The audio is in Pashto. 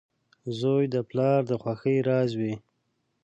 • زوی د پلار د خوښۍ راز وي.